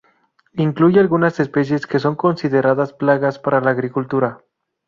Incluye algunas especies que son consideradas plagas para la agricultura.